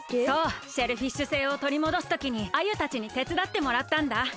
そうシェルフィッシュ星をとりもどすときにアユたちにてつだってもらったんだ。